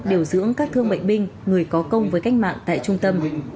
điều dưỡng các thương bệnh binh người có công với cách mạng tại trung tâm